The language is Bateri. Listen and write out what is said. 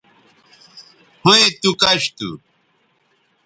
ھویں تو کش تھو